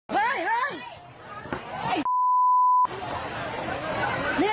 เฮ้ยเฮ้ย